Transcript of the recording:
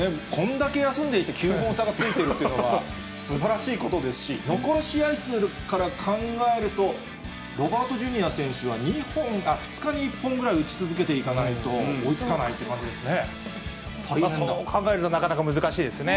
こんだけ休んでいて９本差がついてるっていうのは、すばらしいことですし、残り試合数から考えると、ロバートＪｒ．選手が２日に１本ぐらい打ち続けていかないと追いそう考えると、なかなか難しいですね。